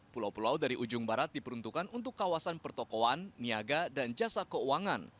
pulau pulau dari ujung barat diperuntukkan untuk kawasan pertokohan niaga dan jasa keuangan